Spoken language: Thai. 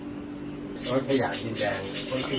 อาวุธแห่งแล้วพอเดินได้ผมว่าเจอบัตรภรรยากุศิษภัณฑ์